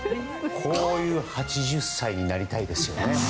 こういう８０歳になりたいですよね。